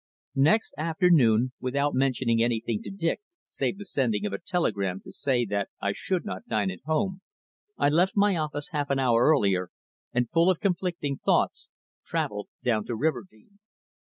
Next afternoon, without mentioning anything to Dick save the sending of a telegram to say I should not dine at home, I left my office half an hour earlier, and full of conflicting thoughts travelled down to Riverdene.